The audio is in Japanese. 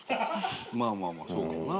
まあまあ、そうかもな。